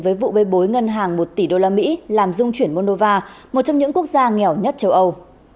với vụ bê bối ngân hàng một tỷ usd làm dung chuyển moldova một trong những quốc gia nghèo nhất châu âu